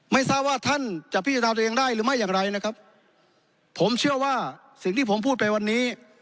ไม่ทราบว่าท่านจะพิจารณาตัวเองได้หรือไม่อย่างไรนะครับผมเชื่อว่าสิ่งที่ผมพูดไปวันนี้